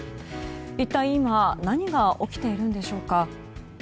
一体今何が起きているんでしょうか。